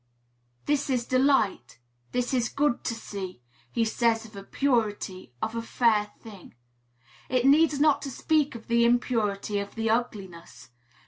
"This is delight," "this is good to see," he says of a purity, of a fair thing. It needs not to speak of the impurity, of the ugliness.